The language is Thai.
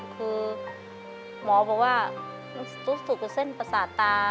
คือหมอบอกว่าสุดกับเส้นประสาทตา